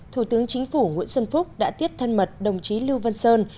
thủ tướng chính phủ nguyễn xuân phúc đã tiếp thân mật đồng chí lưu văn sơn